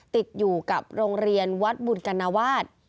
ติดอยู่กับโรงเรียนวัดบุญกัณวาส